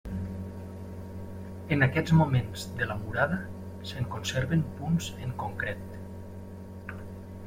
En aquests moments de la murada se'n conserven punts en concret.